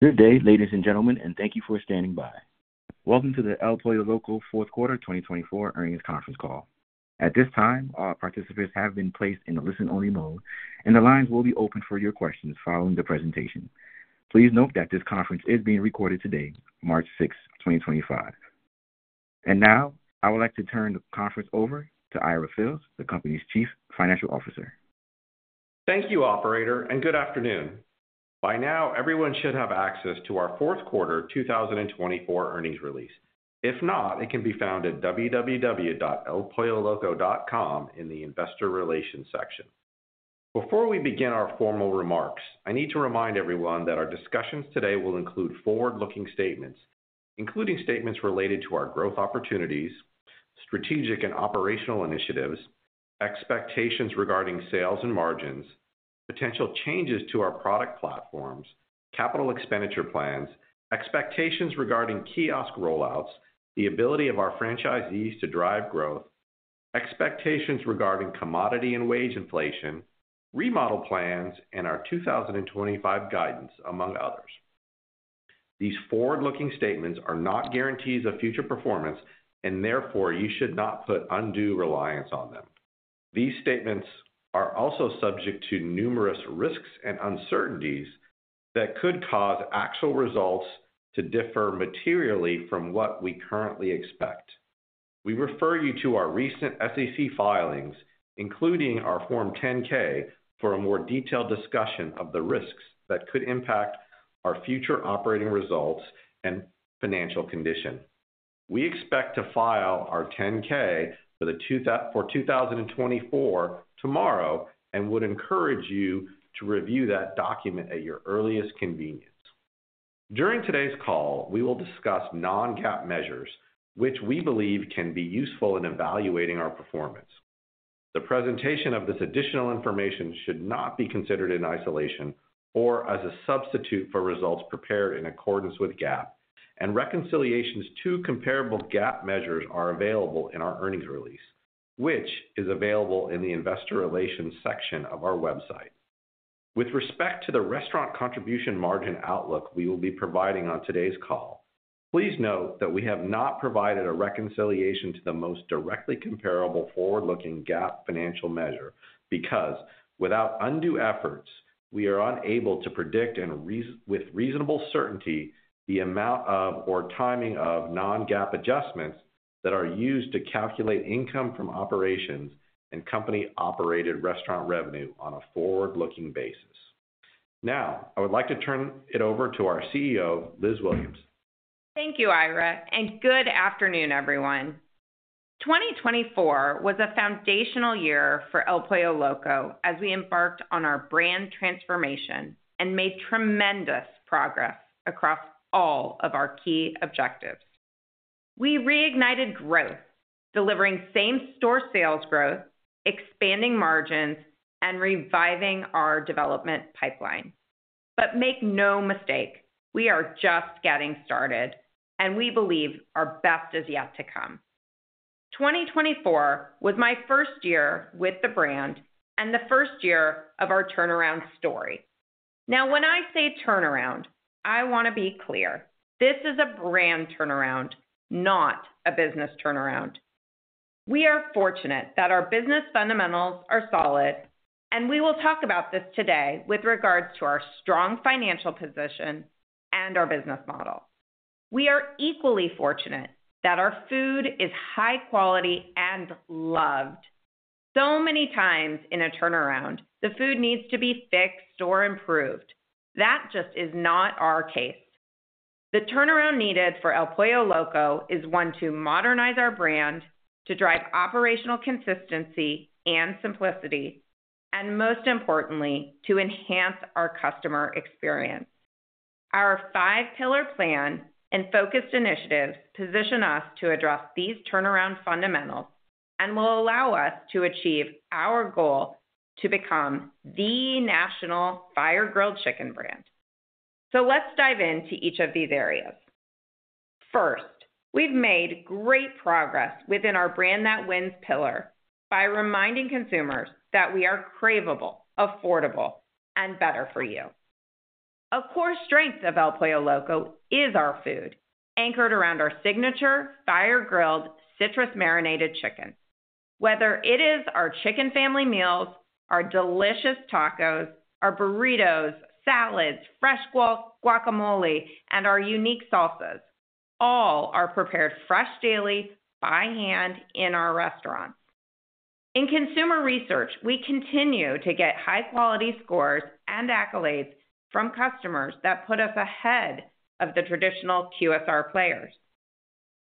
Good day, ladies and gentlemen, and thank you for standing by. Welcome to the El Pollo Loco Fourth Quarter 2024 Earnings Conference Call. At this time, our participants have been placed in a listen-only mode, and the lines will be open for your questions following the presentation. Please note that this conference is being recorded today, March 6, 2025. Now, I would like to turn the conference over to Ira Fils, the company's Chief Financial Officer. Thank you, Operator, and good afternoon. By now, everyone should have access to our Fourth Quarter 2024 earnings release. If not, it can be found at www.elpolloloco.com in the Investor Relations section. Before we begin our formal remarks, I need to remind everyone that our discussions today will include forward-looking statements, including statements related to our growth opportunities, strategic and operational initiatives, expectations regarding sales and margins, potential changes to our product platforms, capital expenditure plans, expectations regarding kiosk rollouts, the ability of our franchisees to drive growth, expectations regarding commodity and wage inflation, remodel plans, and our 2025 guidance, among others. These forward-looking statements are not guarantees of future performance, and therefore, you should not put undue reliance on them. These statements are also subject to numerous risks and uncertainties that could cause actual results to differ materially from what we currently expect. We refer you to our recent SEC filings, including our Form 10-K, for a more detailed discussion of the risks that could impact our future operating results and financial condition. We expect to file our 10-K for 2024 tomorrow and would encourage you to review that document at your earliest convenience. During today's call, we will discuss non-GAAP measures, which we believe can be useful in evaluating our performance. The presentation of this additional information should not be considered in isolation or as a substitute for results prepared in accordance with GAAP, and reconciliations to comparable GAAP measures are available in our earnings release, which is available in the Investor Relations section of our website. With respect to the restaurant contribution margin outlook we will be providing on today's call, please note that we have not provided a reconciliation to the most directly comparable forward-looking GAAP financial measure because, without undue efforts, we are unable to predict with reasonable certainty the amount of or timing of non-GAAP adjustments that are used to calculate income from operations and company-operated restaurant revenue on a forward-looking basis. Now, I would like to turn it over to our CEO, Liz Williams. Thank you, Ira, and good afternoon, everyone. 2024 was a foundational year for El Pollo Loco as we embarked on our brand transformation and made tremendous progress across all of our key objectives. We reignited growth, delivering same-store sales growth, expanding margins, and reviving our development pipeline. Make no mistake, we are just getting started, and we believe our best is yet to come. 2024 was my first year with the brand and the first year of our turnaround story. Now, when I say turnaround, I want to be clear: this is a brand turnaround, not a business turnaround. We are fortunate that our business fundamentals are solid, and we will talk about this today with regards to our strong financial position and our business model. We are equally fortunate that our food is high quality and loved. So many times in a turnaround, the food needs to be fixed or improved. That just is not our case. The turnaround needed for El Pollo Loco is one to modernize our brand, to drive operational consistency and simplicity, and most importantly, to enhance our customer experience. Our five-pillar plan and focused initiatives position us to address these turnaround fundamentals and will allow us to achieve our goal to become the national fire-grilled chicken brand. Let's dive into each of these areas. First, we've made great progress within our brand that wins pillar by reminding consumers that we are craveable, affordable, and better for you. A core strength of El Pollo Loco is our food, anchored around our signature fire-grilled citrus-marinated chicken. Whether it is our chicken family meals, our delicious tacos, our burritos, salads, fresh guacamole, and our unique sauces, all are prepared fresh daily, by hand, in our restaurants. In consumer research, we continue to get high-quality scores and accolades from customers that put us ahead of the traditional QSR players.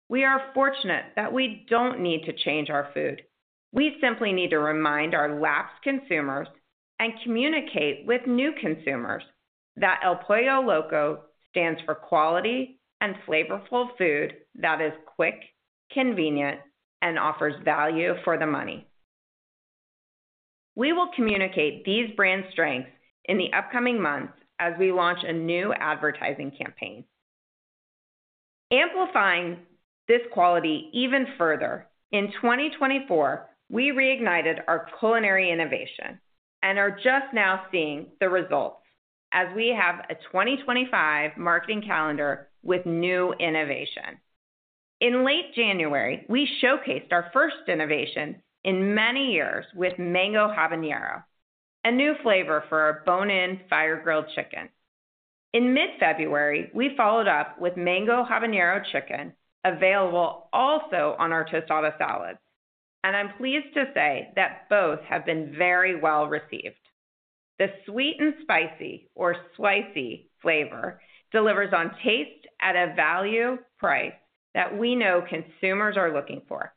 We are fortunate that we do not need to change our food. We simply need to remind our lapsed consumers and communicate with new consumers that El Pollo Loco stands for quality and flavorful food that is quick, convenient, and offers value for the money. We will communicate these brand strengths in the upcoming months as we launch a new advertising campaign. Amplifying this quality even further, in 2024, we reignited our culinary innovation and are just now seeing the results as we have a 2025 marketing calendar with new innovation. In late January, we showcased our first innovation in many years with Mango Habanero, a new flavor for our bone-in fire-grilled chicken. In mid-February, we followed up with Mango Habanero chicken, available also on our tostada salads, and I'm pleased to say that both have been very well received. The sweet and spicy, or slicey, flavor delivers on taste at a value price that we know consumers are looking for.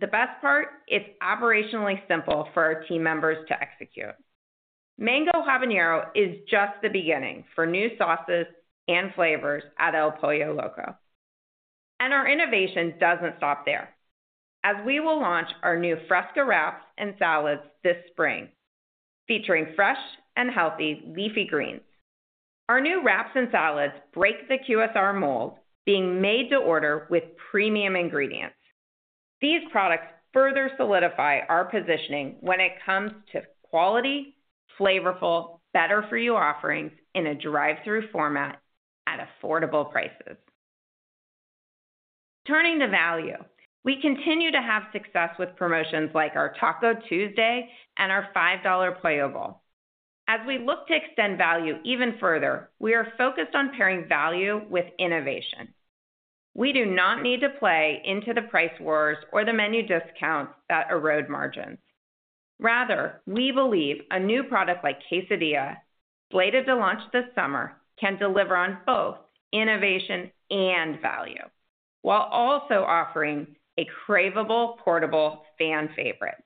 The best part? It's operationally simple for our team members to execute. Mango Habanero is just the beginning for new sauces and flavors at El Pollo Loco. Our innovation doesn't stop there, as we will launch our new Fresca Wraps and Salads this spring, featuring fresh and healthy leafy greens. Our new wraps and salads break the QSR mold, being made to order with premium ingredients. These products further solidify our positioning when it comes to quality, flavorful, better-for-you offerings in a drive-through format at affordable prices. Turning to value, we continue to have success with promotions like our Taco Tuesday and our $5 Pollo Loco. As we look to extend value even further, we are focused on pairing value with innovation. We do not need to play into the price wars or the menu discounts that erode margins. Rather, we believe a new product like Quesadilla, slated to launch this summer, can deliver on both innovation and value, while also offering a craveable, portable fan favorite.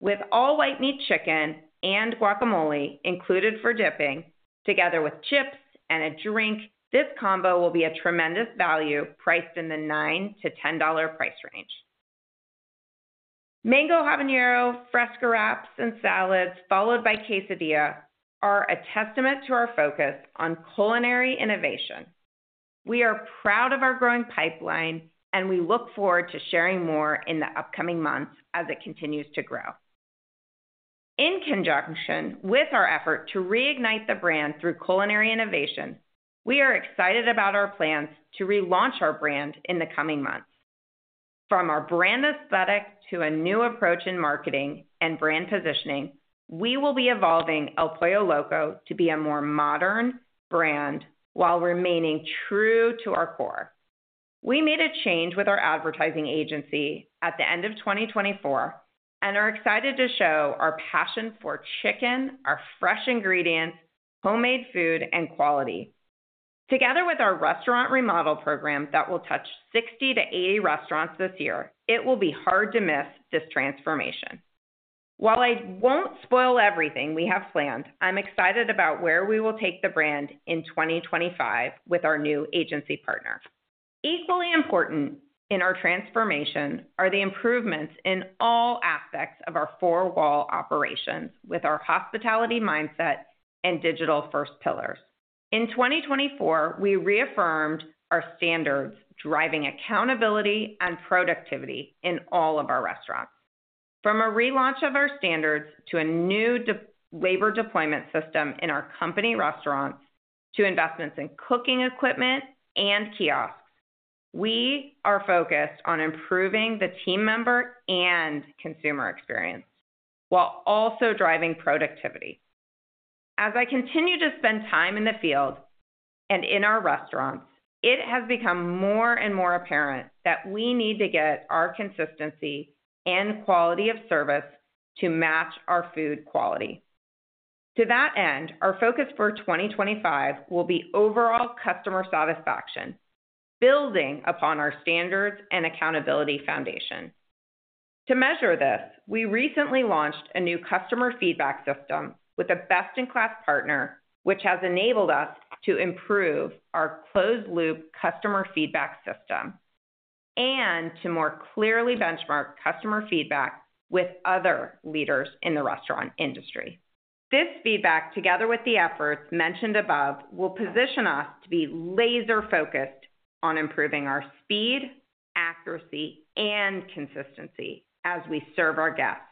With all-white meat chicken and guacamole included for dipping, together with chips and a drink, this combo will be a tremendous value priced in the $9-$10 price range. Mango Habanero, Fresca Wraps and Salads, followed by Quesadilla, are a testament to our focus on culinary innovation. We are proud of our growing pipeline, and we look forward to sharing more in the upcoming months as it continues to grow. In conjunction with our effort to reignite the brand through culinary innovation, we are excited about our plans to relaunch our brand in the coming months. From our brand aesthetic to a new approach in marketing and brand positioning, we will be evolving El Pollo Loco to be a more modern brand while remaining true to our core. We made a change with our advertising agency at the end of 2024 and are excited to show our passion for chicken, our fresh ingredients, homemade food, and quality. Together with our restaurant remodel program that will touch 60-80 restaurants this year, it will be hard to miss this transformation. While I won't spoil everything we have planned, I'm excited about where we will take the brand in 2025 with our new agency partner. Equally important in our transformation are the improvements in all aspects of our four-wall operations with our hospitality mindset and digital first pillars. In 2024, we reaffirmed our standards, driving accountability and productivity in all of our restaurants. From a relaunch of our standards to a new labor deployment system in our company restaurants, to investments in cooking equipment and kiosks, we are focused on improving the team member and consumer experience while also driving productivity. As I continue to spend time in the field and in our restaurants, it has become more and more apparent that we need to get our consistency and quality of service to match our food quality. To that end, our focus for 2025 will be overall customer satisfaction, building upon our standards and accountability foundation. To measure this, we recently launched a new customer feedback system with a best-in-class partner, which has enabled us to improve our closed-loop customer feedback system and to more clearly benchmark customer feedback with other leaders in the restaurant industry. This feedback, together with the efforts mentioned above, will position us to be laser-focused on improving our speed, accuracy, and consistency as we serve our guests.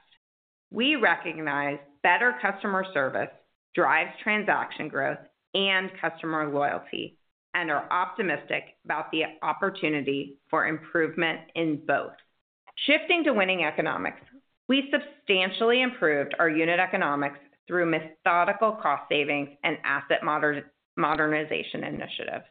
We recognize better customer service drives transaction growth and customer loyalty and are optimistic about the opportunity for improvement in both. Shifting to winning economics, we substantially improved our unit economics through methodical cost savings and asset modernization initiatives.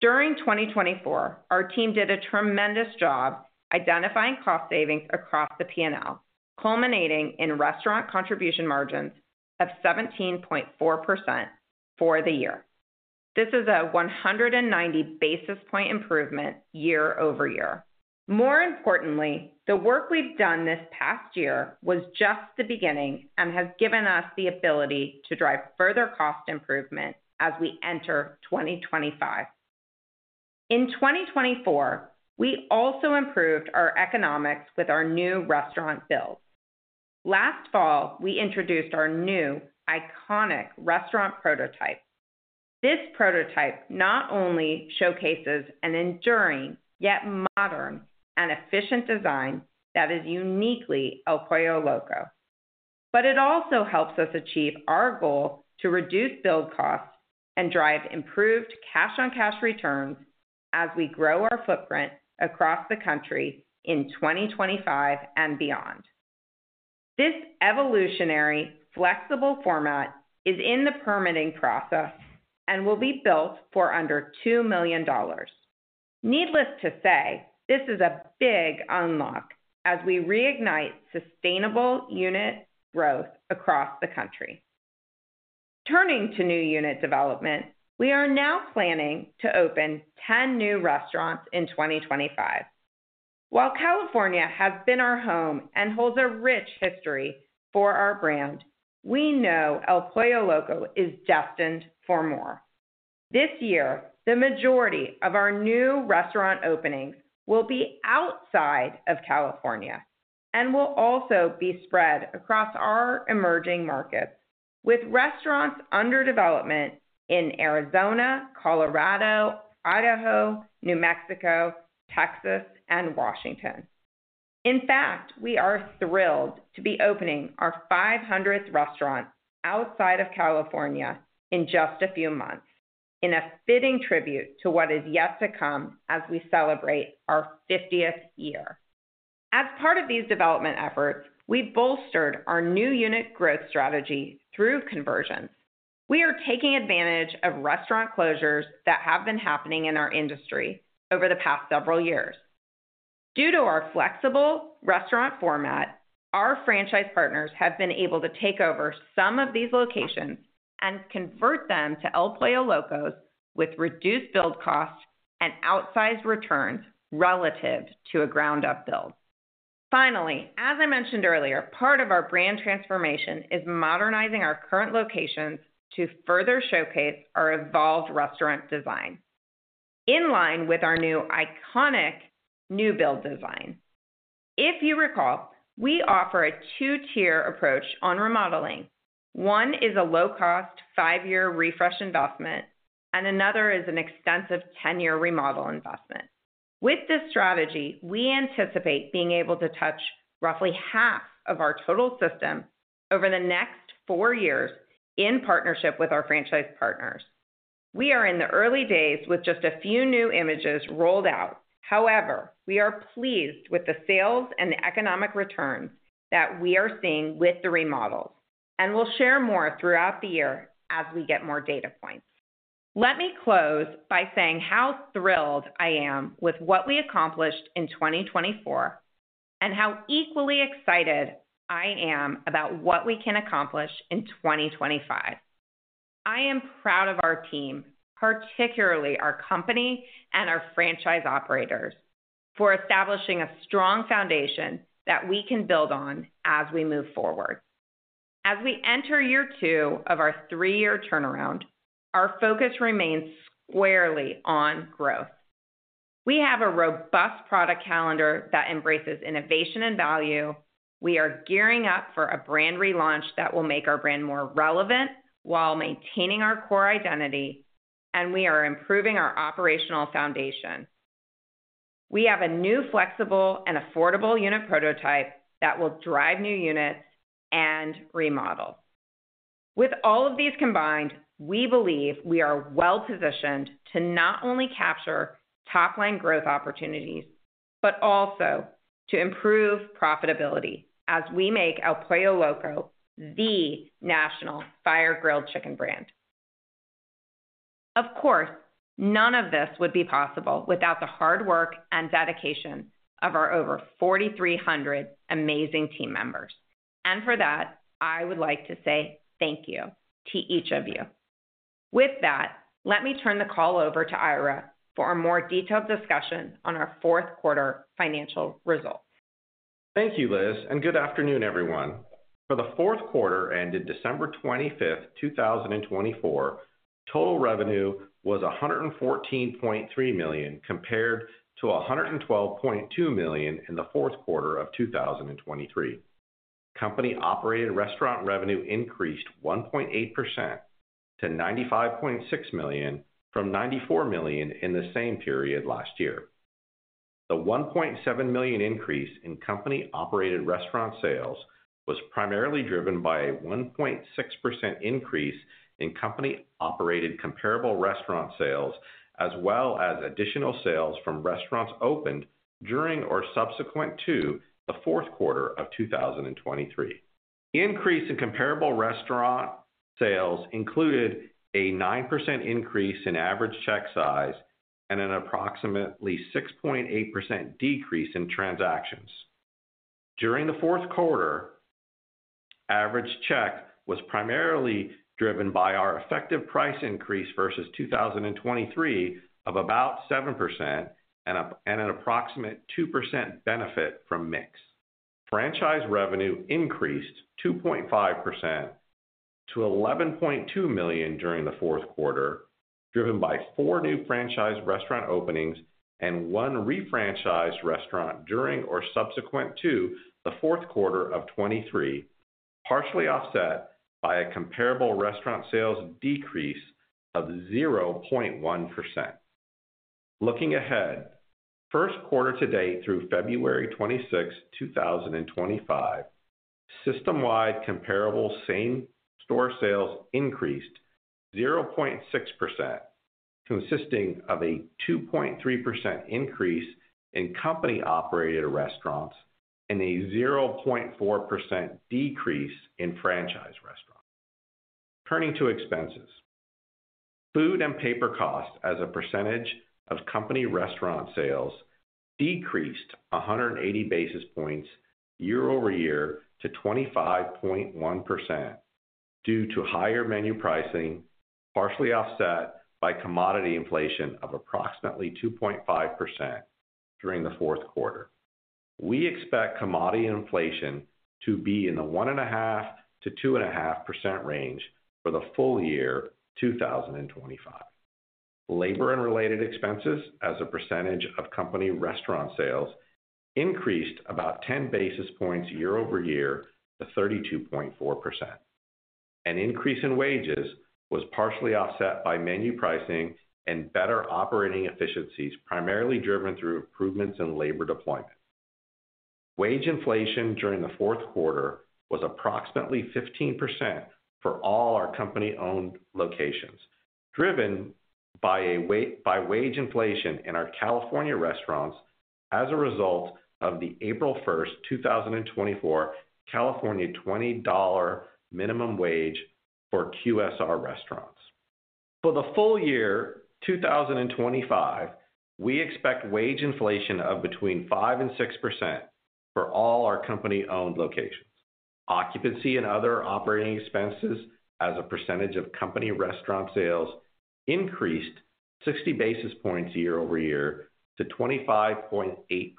During 2024, our team did a tremendous job identifying cost savings across the P&L, culminating in restaurant contribution margins of 17.4% for the year. This is a 190 basis point improvement year-over-year. More importantly, the work we've done this past year was just the beginning and has given us the ability to drive further cost improvement as we enter 2025. In 2024, we also improved our economics with our new restaurant build. Last fall, we introduced our new iconic restaurant prototype. This prototype not only showcases an enduring, yet modern and efficient design that is uniquely El Pollo Loco, but it also helps us achieve our goal to reduce build costs and drive improved cash-on-cash returns as we grow our footprint across the country in 2025 and beyond. This evolutionary flexible format is in the permitting process and will be built for under $2 million. Needless to say, this is a big unlock as we reignite sustainable unit growth across the country. Turning to new unit development, we are now planning to open 10 new restaurants in 2025. While California has been our home and holds a rich history for our brand, we know El Pollo Loco is destined for more. This year, the majority of our new restaurant openings will be outside of California and will also be spread across our emerging markets with restaurants under development in Arizona, Colorado, Idaho, New Mexico, Texas, and Washington. In fact, we are thrilled to be opening our 500th restaurant outside of California in just a few months, in a fitting tribute to what is yet to come as we celebrate our 50th year. As part of these development efforts, we've bolstered our new unit growth strategy through conversions. We are taking advantage of restaurant closures that have been happening in our industry over the past several years. Due to our flexible restaurant format, our franchise partners have been able to take over some of these locations and convert them to El Pollo Loco with reduced build costs and outsized returns relative to a ground-up build. Finally, as I mentioned earlier, part of our brand transformation is modernizing our current locations to further showcase our evolved restaurant design, in line with our new iconic new build design. If you recall, we offer a two-tier approach on remodeling. One is a low-cost five-year refresh investment, and another is an extensive 10-year remodel investment. With this strategy, we anticipate being able to touch roughly half of our total system over the next four years in partnership with our franchise partners. We are in the early days with just a few new images rolled out. However, we are pleased with the sales and the economic returns that we are seeing with the remodels, and we'll share more throughout the year as we get more data points. Let me close by saying how thrilled I am with what we accomplished in 2024 and how equally excited I am about what we can accomplish in 2025. I am proud of our team, particularly our company and our franchise operators, for establishing a strong foundation that we can build on as we move forward. As we enter year two of our three-year turnaround, our focus remains squarely on growth. We have a robust product calendar that embraces innovation and value. We are gearing up for a brand relaunch that will make our brand more relevant while maintaining our core identity, and we are improving our operational foundation. We have a new flexible and affordable unit prototype that will drive new units and remodels. With all of these combined, we believe we are well positioned to not only capture top-line growth opportunities, but also to improve profitability as we make El Pollo Loco the national fire-grilled chicken brand. Of course, none of this would be possible without the hard work and dedication of our over 4,300 amazing team members. For that, I would like to say thank you to each of you. With that, let me turn the call over to Ira for a more detailed discussion on our fourth quarter financial results. Thank you, Liz, and good afternoon, everyone. For the fourth quarter ended December 25, 2024, total revenue was $114.3 million compared to $112.2 million in the fourth quarter of 2023. Company-operated restaurant revenue increased 1.8% to $95.6 million from $94 million in the same period last year. The $1.7 million increase in company-operated restaurant sales was primarily driven by a 1.6% increase in company-operated comparable restaurant sales, as well as additional sales from restaurants opened during or subsequent to the fourth quarter of 2023. Increase in comparable restaurant sales included a 9% increase in average check size and an approximately 6.8% decrease in transactions. During the fourth quarter, average check was primarily driven by our effective price increase versus 2023 of about 7% and an approximate 2% benefit from mix. Franchise revenue increased 2.5% to $11.2 million during the fourth quarter, driven by four new franchise restaurant openings and one refranchised restaurant during or subsequent to the fourth quarter of 2023, partially offset by a comparable restaurant sales decrease of 0.1%. Looking ahead, first quarter to date through February 26, 2025, system-wide comparable same-store sales increased 0.6%, consisting of a 2.3% increase in company-operated restaurants and a 0.4% decrease in franchise restaurants. Turning to expenses, food and paper costs as a percentage of company restaurant sales decreased 180 basis points year-over-year to 25.1% due to higher menu pricing, partially offset by commodity inflation of approximately 2.5% during the fourth quarter. We expect commodity inflation to be in the 1.5%-2.5% range for the full year 2025. Labor and related expenses as a percentage of company restaurant sales increased about 10 basis points year-over-year to 32.4%. An increase in wages was partially offset by menu pricing and better operating efficiencies primarily driven through improvements in labor deployment. Wage inflation during the fourth quarter was approximately 15% for all our company-owned locations, driven by wage inflation in our California restaurants as a result of the April 1st, 2024 California $20 minimum wage for QSR restaurants. For the full year 2025, we expect wage inflation of between 5% and 6% for all our company-owned locations. Occupancy and other operating expenses as a percentage of company restaurant sales increased 60 basis points year-over-year to 25.8%,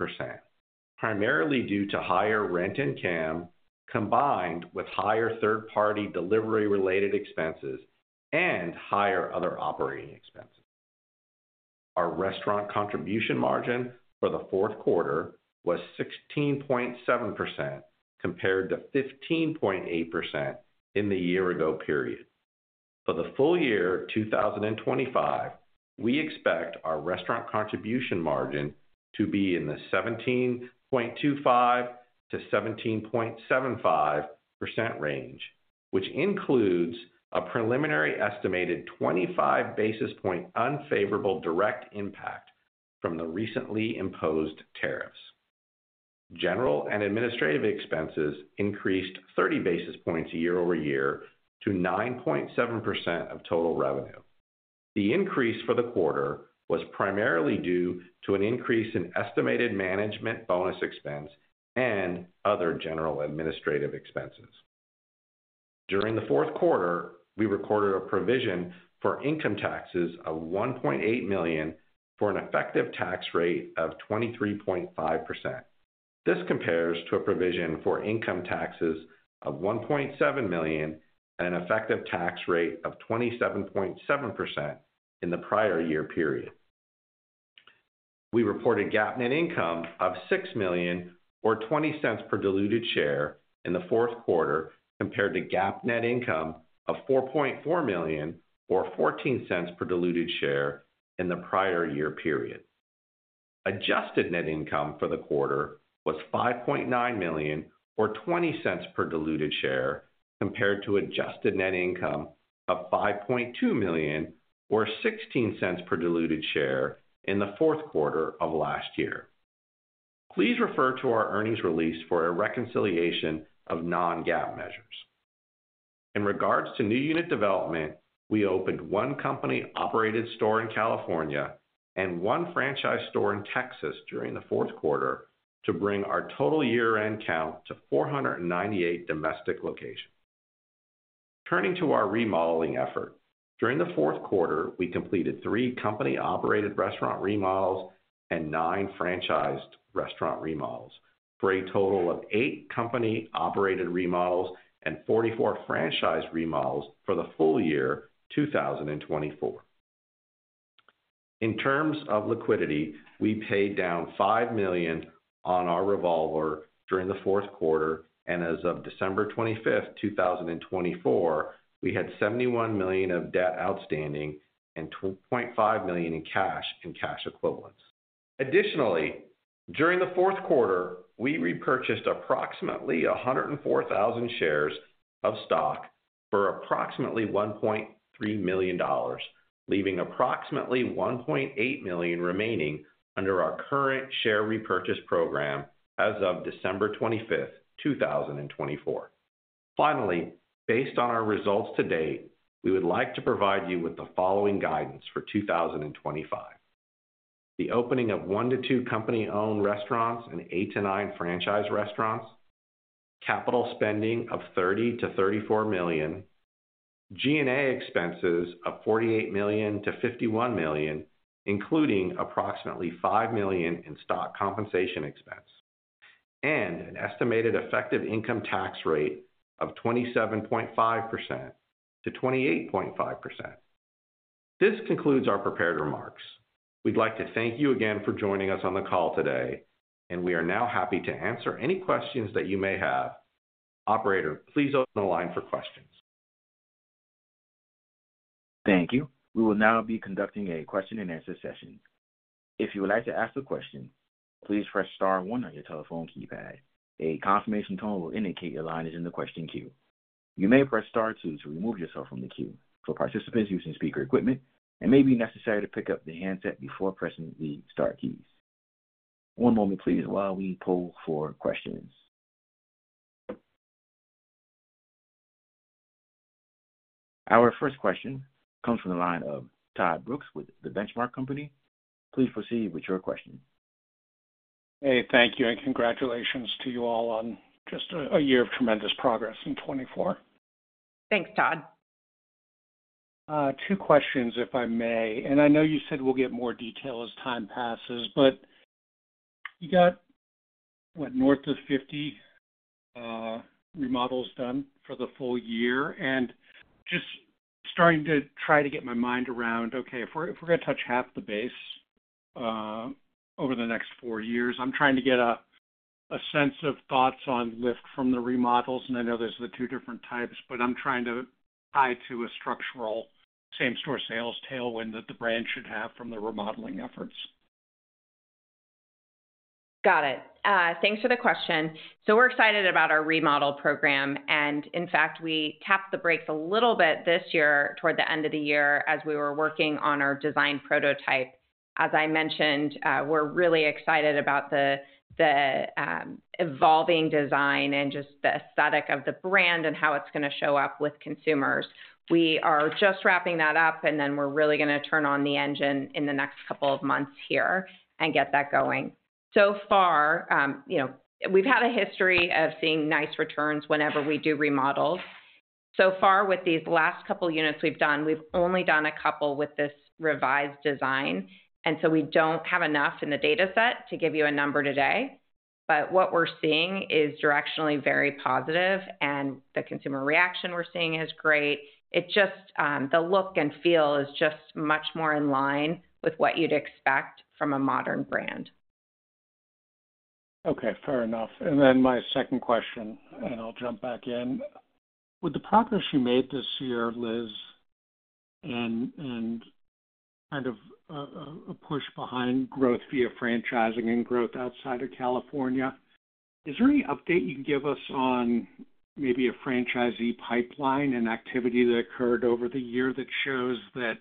primarily due to higher rent and CAM combined with higher third-party delivery-related expenses and higher other operating expenses. Our restaurant contribution margin for the fourth quarter was 16.7% compared to 15.8% in the year-ago period. For the full year 2025, we expect our restaurant contribution margin to be in the 17.25%-17.75% range, which includes a preliminary estimated 25 basis point unfavorable direct impact from the recently imposed tariffs. General and administrative expenses increased 30 basis points year-over-year to 9.7% of total revenue. The increase for the quarter was primarily due to an increase in estimated management bonus expense and other general administrative expenses. During the fourth quarter, we recorded a provision for income taxes of $1.8 million for an effective tax rate of 23.5%. This compares to a provision for income taxes of $1.7 million and an effective tax rate of 27.7% in the prior year period. We reported GAAP net income of $6.0 million or $0.20 per diluted share in the fourth quarter compared to GAAP net income of $4.4 million or $0.14 per diluted share in the prior year period. Adjusted net income for the quarter was $5.9 million or $0.20 per diluted share compared to adjusted net income of $5.2 million or $0.16 per diluted share in the fourth quarter of last year. Please refer to our earnings release for a reconciliation of non-GAAP measures. In regards to new unit development, we opened one company-operated store in California and one franchise store in Texas during the fourth quarter to bring our total year-end count to 498 domestic locations. Turning to our remodeling effort, during the fourth quarter, we completed three company-operated restaurant remodels and nine franchised restaurant remodels for a total of eight company-operated remodels and 44 franchised remodels for the full year 2024. In terms of liquidity, we paid down $5 million on our revolver during the fourth quarter, and as of December 25, 2024, we had $71 million of debt outstanding and $2.5 million in cash and cash equivalents. Additionally, during the fourth quarter, we repurchased approximately 104,000 shares of stock for approximately $1.3 million, leaving approximately $1.8 million remaining under our current share repurchase program as of December 25, 2024. Finally, based on our results to date, we would like to provide you with the following guidance for 2025: the opening of one to two company-owned restaurants and eight to nine franchise restaurants, capital spending of $30 million-$34 million, G&A expenses of $48 million-$51 million, including approximately $5 million in stock compensation expense, and an estimated effective income tax rate of 27.5%-28.5%. This concludes our prepared remarks. We'd like to thank you again for joining us on the call today, and we are now happy to answer any questions that you may have. Operator, please open the line for questions. Thank you. We will now be conducting a question-and-answer session. If you would like to ask a question, please press Star one on your telephone keypad. A confirmation tone will indicate your line is in the question queue. You may press Star two to remove yourself from the queue. For participants using speaker equipment, it may be necessary to pick up the handset before pressing the star keys. One moment, please, while we pull for questions. Our first question comes from the line of Todd Brooks with The Benchmark Company. Please proceed with your question. Hey, thank you, and congratulations to you all on just a year of tremendous progress in 2024. Thanks, Todd. Two questions, if I may. I know you said we'll get more detail as time passes, but you got, what, north of 50 remodels done for the full year? Just starting to try to get my mind around, okay, if we're going to touch half the base over the next four years, I'm trying to get a sense of thoughts on lift from the remodels. I know there's the two different types, but I'm trying to tie to a structural same-store sales tailwind that the brand should have from the remodeling efforts. Got it. Thanks for the question. We're excited about our remodel program. In fact, we tapped the brakes a little bit this year toward the end of the year as we were working on our design prototype. As I mentioned, we're really excited about the evolving design and just the aesthetic of the brand and how it's going to show up with consumers. We are just wrapping that up, and we're really going to turn on the engine in the next couple of months here and get that going. So far, we've had a history of seeing nice returns whenever we do remodels. So far, with these last couple of units we've done, we've only done a couple with this revised design. We don't have enough in the dataset to give you a number today. What we're seeing is directionally very positive, and the consumer reaction we're seeing is great. The look and feel is just much more in line with what you'd expect from a modern brand. Okay, fair enough. My second question, and I'll jump back in. With the progress you made this year, Liz, and kind of a push behind growth via franchising and growth outside of California, is there any update you can give us on maybe a franchisee pipeline and activity that occurred over the year that shows that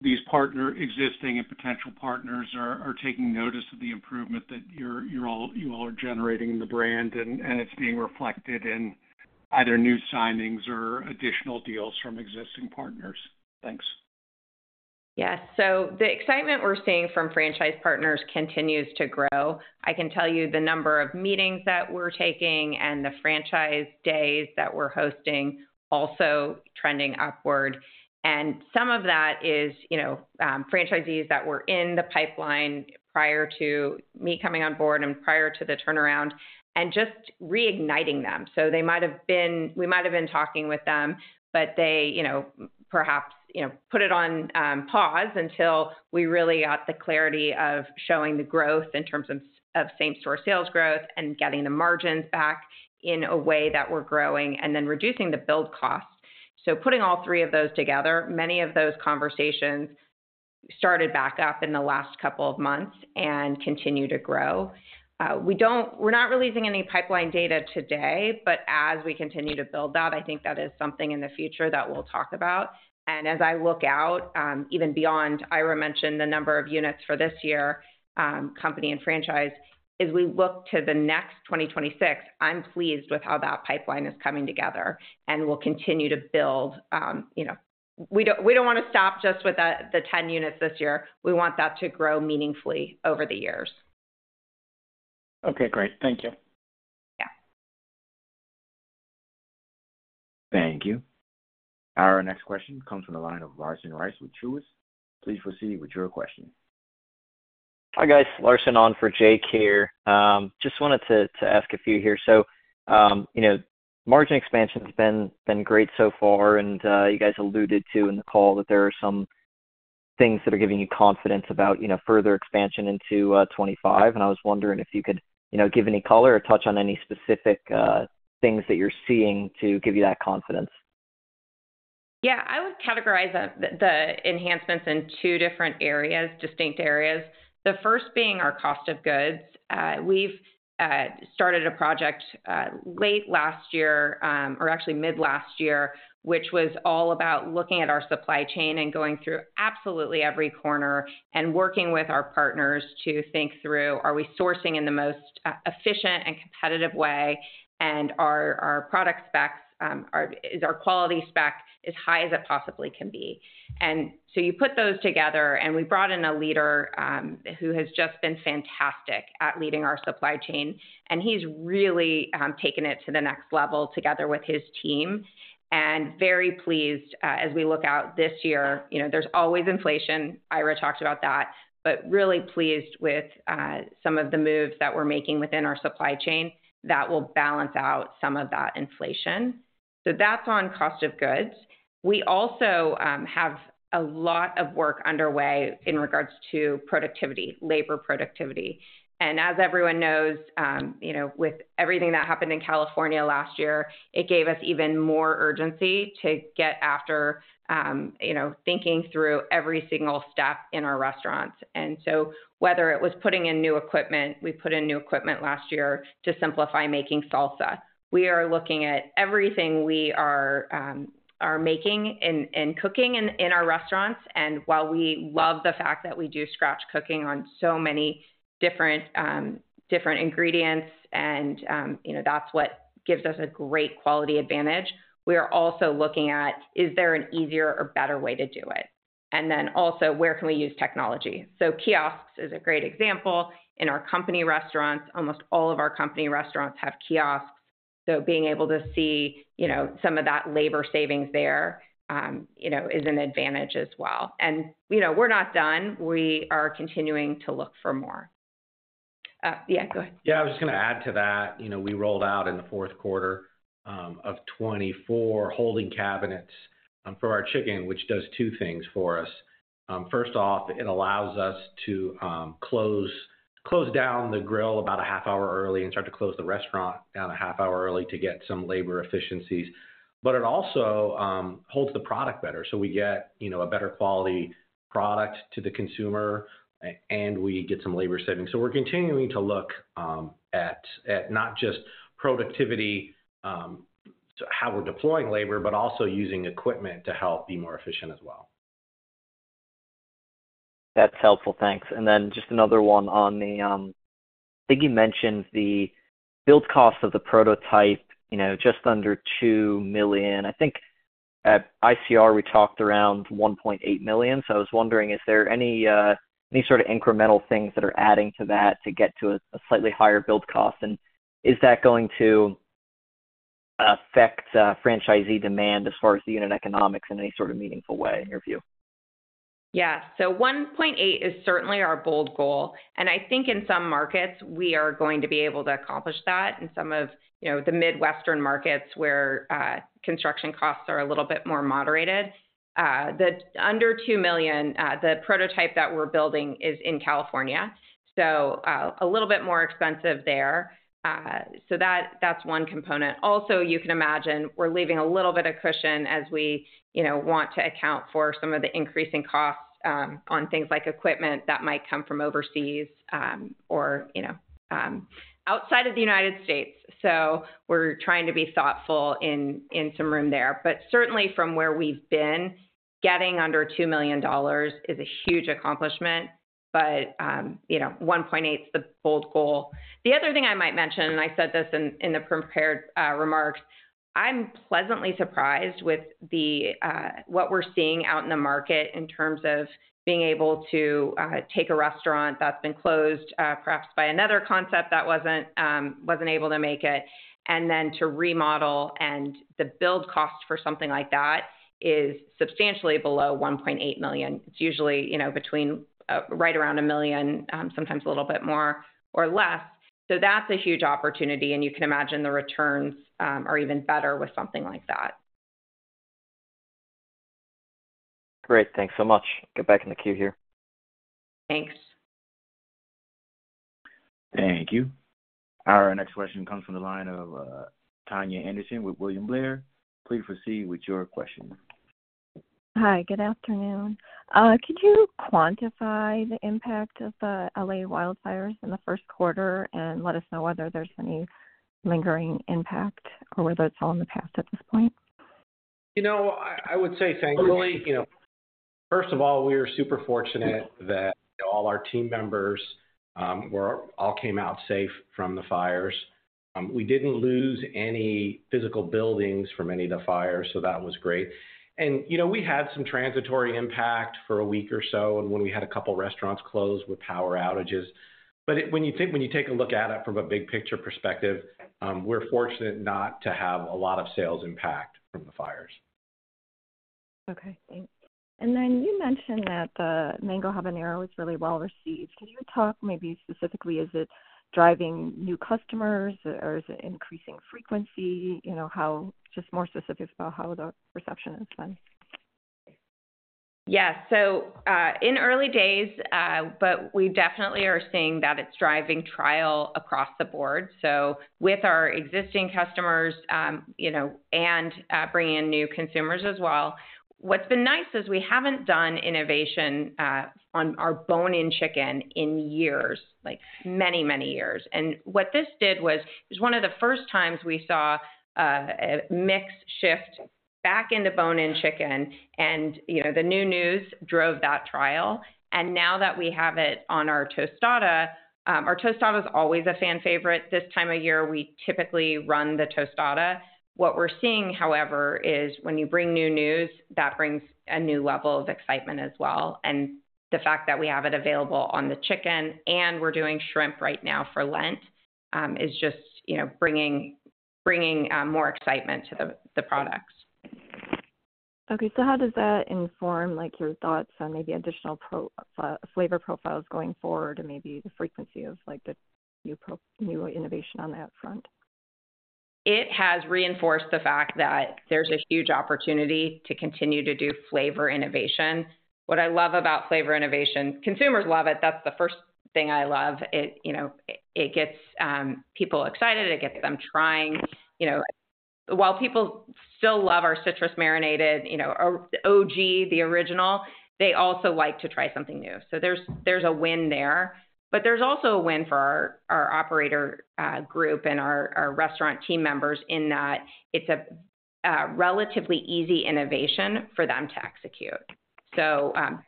these existing and potential partners are taking notice of the improvement that you all are generating in the brand, and it's being reflected in either new signings or additional deals from existing partners? Thanks. Yes. The excitement we're seeing from franchise partners continues to grow. I can tell you the number of meetings that we're taking and the franchise days that we're hosting also trending upward. Some of that is franchisees that were in the pipeline prior to me coming on board and prior to the turnaround and just reigniting them. They might have been, we might have been talking with them, but they perhaps put it on pause until we really got the clarity of showing the growth in terms of same-store sales growth and getting the margins back in a way that we're growing and then reducing the build costs. Putting all three of those together, many of those conversations started back up in the last couple of months and continue to grow. We're not releasing any pipeline data today, but as we continue to build that, I think that is something in the future that we'll talk about. As I look out, even beyond, Ira mentioned the number of units for this year, company and franchise, as we look to the next 2026, I'm pleased with how that pipeline is coming together and will continue to build. We do not want to stop just with the 10 units this year. We want that to grow meaningfully over the years. Okay, great. Thank you. Yeah. Thank you. Our next question comes from the line of Larson Rice with Truist. Please proceed with your question. Hi, guys. Larson on for Jake here. Just wanted to ask a few here. Margin expansion has been great so far, and you guys alluded to in the call that there are some things that are giving you confidence about further expansion into 2025. I was wondering if you could give any color or touch on any specific things that you are seeing to give you that confidence. Yeah. I would categorize the enhancements in two different areas, distinct areas. The first being our cost of goods. We've started a project late last year, or actually mid-last year, which was all about looking at our supply chain and going through absolutely every corner and working with our partners to think through, are we sourcing in the most efficient and competitive way, and are our product specs, is our quality spec as high as it possibly can be? You put those together, and we brought in a leader who has just been fantastic at leading our supply chain, and he's really taken it to the next level together with his team. Very pleased as we look out this year. There's always inflation. Ira talked about that, really pleased with some of the moves that we're making within our supply chain that will balance out some of that inflation. That's on cost of goods. We also have a lot of work underway in regards to productivity, labor productivity. As everyone knows, with everything that happened in California last year, it gave us even more urgency to get after thinking through every single step in our restaurants. Whether it was putting in new equipment, we put in new equipment last year to simplify making salsa. We are looking at everything we are making and cooking in our restaurants. While we love the fact that we do scratch cooking on so many different ingredients, and that is what gives us a great quality advantage, we are also looking at, is there an easier or better way to do it? Where can we use technology? Kiosks is a great example. In our company restaurants, almost all of our company restaurants have kiosks. Being able to see some of that labor savings there is an advantage as well. We are not done. We are continuing to look for more. Go ahead. I was just going to add to that. We rolled out in the fourth quarter of 2024 holding cabinets for our chicken, which does two things for us. First off, it allows us to close down the grill about a half hour early and start to close the restaurant down a half hour early to get some labor efficiencies. It also holds the product better. We get a better quality product to the consumer, and we get some labor savings. We are continuing to look at not just productivity, how we are deploying labor, but also using equipment to help be more efficient as well. That is helpful. Thanks. Just another one on the, I think you mentioned the build cost of the prototype, just under $2 million. I think at ICR, we talked around $1.8 million. I was wondering, is there any sort of incremental things that are adding to that to get to a slightly higher build cost? Is that going to affect franchisee demand as far as the unit economics in any sort of meaningful way in your view? Yeah. $1.8 million is certainly our bold goal. I think in some markets, we are going to be able to accomplish that. In some of the Midwestern markets where construction costs are a little bit more moderated, the under $2 million, the prototype that we are building is in California. A little bit more expensive there. That is one component. Also, you can imagine we're leaving a little bit of cushion as we want to account for some of the increasing costs on things like equipment that might come from overseas or outside of the United States. We're trying to be thoughtful in some room there. Certainly, from where we've been, getting under $2 million is a huge accomplishment, but $1.8 million is the bold goal. The other thing I might mention, and I said this in the prepared remarks, I'm pleasantly surprised with what we're seeing out in the market in terms of being able to take a restaurant that's been closed, perhaps by another concept that wasn't able to make it, and then to remodel. The build cost for something like that is substantially below $1.8 million. It's usually right around $1 million, sometimes a little bit more or less. That's a huge opportunity, and you can imagine the returns are even better with something like that. Great. Thanks so much. Get back in the queue here. Thanks. Thank you. Our next question comes from the line of Tania Anderson with William Blair. Please proceed with your question. Hi. Good afternoon. Could you quantify the impact of the LA wildfires in the first quarter and let us know whether there's any lingering impact or whether it's all in the past at this point? You know, I would say thankfully, first of all, we are super fortunate that all our team members all came out safe from the fires. We didn't lose any physical buildings from any of the fires, so that was great. We had some transitory impact for a week or so when we had a couple of restaurants closed with power outages. When you take a look at it from a big-picture perspective, we're fortunate not to have a lot of sales impact from the fires. Okay. Thanks. You mentioned that the Mango Habanero was really well received. Can you talk maybe specifically? Is it driving new customers, or is it increasing frequency? Just more specific about how the perception has been. Yeah. In early days, but we definitely are seeing that it's driving trial across the board. With our existing customers and bringing in new consumers as well, what's been nice is we haven't done innovation on our bone-in chicken in years, many, many years. What this did was it was one of the first times we saw a mix shift back into bone-in chicken, and the Mango Habanero drove that trial. Now that we have it on our tostada, our tostada is always a fan favorite. This time of year, we typically run the tostada. What we're seeing, however, is when you bring NuNu's, that brings a new level of excitement as well. The fact that we have it available on the chicken and we're doing shrimp right now for Lent is just bringing more excitement to the products. Okay. How does that inform your thoughts on maybe additional flavor profiles going forward and maybe the frequency of the new innovation on that front? It has reinforced the fact that there's a huge opportunity to continue to do flavor innovation. What I love about flavor innovation, consumers love it. That's the first thing I love. It gets people excited. It gets them trying. While people still love our citrus-marinated OG, the original, they also like to try something new. There is a win there. There is also a win for our operator group and our restaurant team members in that it is a relatively easy innovation for them to execute.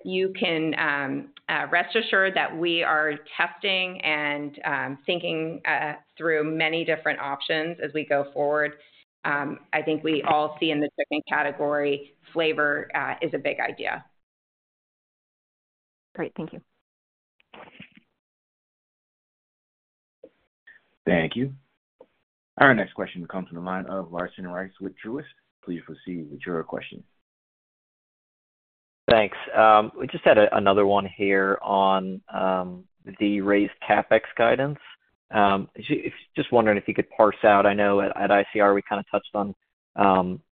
You can rest assured that we are testing and thinking through many different options as we go forward. I think we all see in the chicken category flavor is a big idea. Great. Thank you. Thank you. Our next question comes from the line of Larson Rice with Truist. Please proceed with your question. Thanks. We just had another one here on the raised CapEx guidance. Just wondering if you could parse out. I know at ICR, we kind of touched on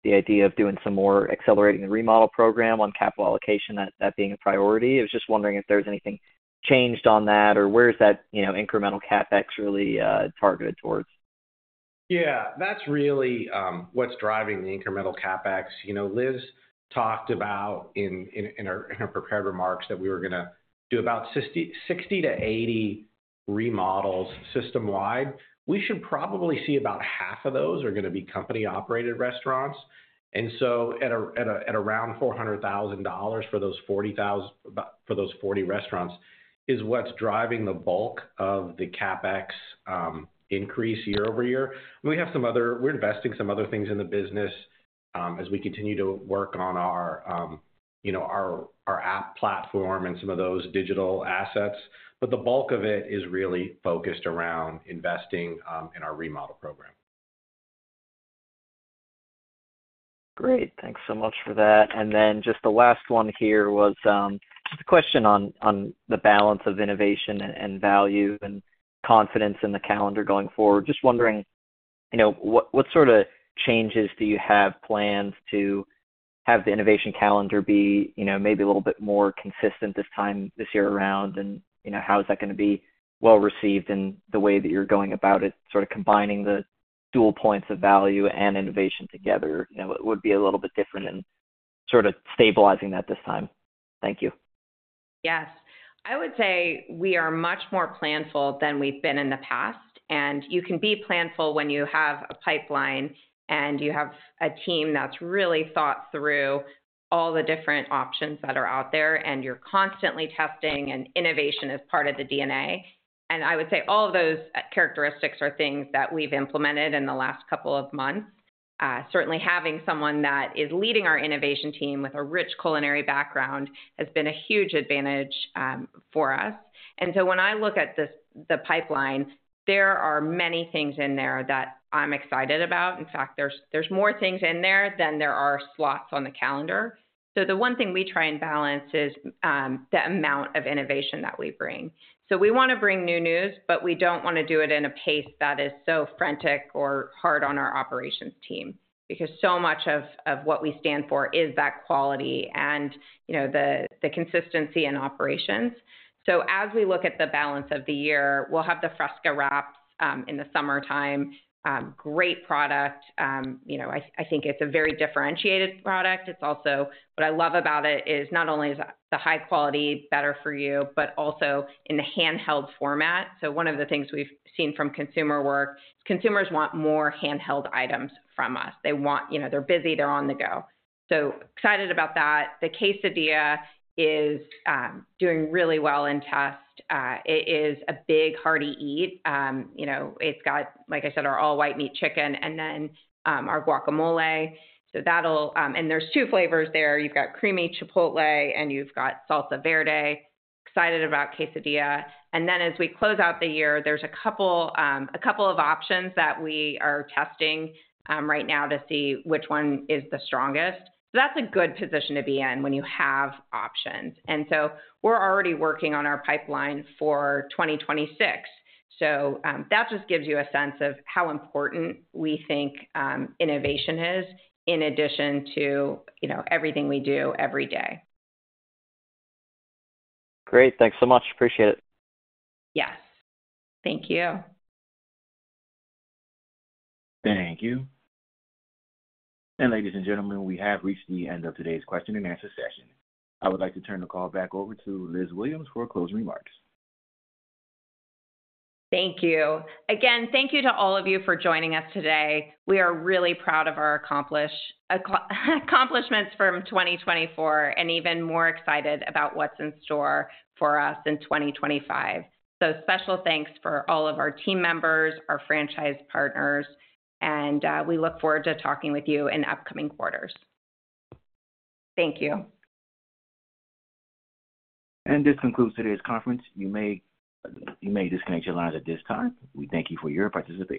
the idea of doing some more accelerating the remodel program on capital allocation, that being a priority. I was just wondering if there's anything changed on that, or where is that incremental CapEx really targeted towards? Yeah. That's really what's driving the incremental CapEx. Liz talked about in her prepared remarks that we were going to do about 60-80 remodels system-wide. We should probably see about half of those are going to be company-operated restaurants. And so at around $400,000 for those 40 restaurants is what's driving the bulk of the CapEx increase year-over-year. We have some other we're investing some other things in the business as we continue to work on our app platform and some of those digital assets. But the bulk of it is really focused around investing in our remodel program. Great. Thanks so much for that. Just the last one here was just a question on the balance of innovation and value and confidence in the calendar going forward. Just wondering, what sort of changes do you have plans to have the innovation calendar be maybe a little bit more consistent this time this year around? How is that going to be well received in the way that you're going about it, sort of combining the dual points of value and innovation together? It would be a little bit different in sort of stabilizing that this time. Thank you. Yes. I would say we are much more planful than we've been in the past. You can be planful when you have a pipeline and you have a team that's really thought through all the different options that are out there, and you're constantly testing, and innovation is part of the DNA. I would say all of those characteristics are things that we've implemented in the last couple of months. Certainly, having someone that is leading our innovation team with a rich culinary background has been a huge advantage for us. When I look at the pipeline, there are many things in there that I'm excited about. In fact, there's more things in there than there are slots on the calendar. The one thing we try and balance is the amount of innovation that we bring. We want to bring NuNu's, but we don't want to do it in a pace that is so frantic or hard on our operations team because so much of what we stand for is that quality and the consistency in operations. As we look at the balance of the year, we'll have the Fresca wraps in the summertime. Great product. I think it's a very differentiated product. What I love about it is not only is the high quality better for you, but also in the handheld format. One of the things we've seen from consumer work is consumers want more handheld items from us. They're busy. They're on the go. Excited about that. The quesadilla is doing really well in test. It is a big hearty eat. It's got, like I said, our all-white meat chicken and then our guacamole. And there's two flavors there. You've got creamy chipotle, and you've got salsa verde. Excited about quesadilla. As we close out the year, there's a couple of options that we are testing right now to see which one is the strongest. That's a good position to be in when you have options. We're already working on our pipeline for 2026. That just gives you a sense of how important we think innovation is in addition to everything we do every day. Great. Thanks so much. Appreciate it. Yes. Thank you. Thank you. Ladies and gentlemen, we have reached the end of today's question and answer session. I would like to turn the call back over to Liz Williams for closing remarks. Thank you. Again, thank you to all of you for joining us today. We are really proud of our accomplishments from 2024 and even more excited about what's in store for us in 2025. Special thanks for all of our team members, our franchise partners, and we look forward to talking with you in upcoming quarters. Thank you. This concludes today's conference. You may disconnect your lines at this time. We thank you for your participation.